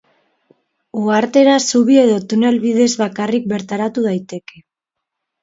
Uhartera zubi edo tunel bidez bakarrik bertaratu daiteke.